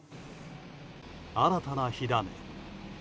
新たな火種。